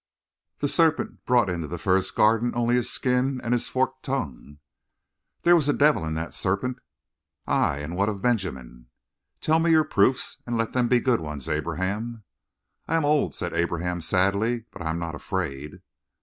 "The serpent brought into the first Garden only his skin and his forked tongue." "There was a devil in that serpent." "Aye, and what of Benjamin?" "Tell me your proofs, and let them be good ones, Abraham." "I am old," said Abraham sadly, "but I am not afraid."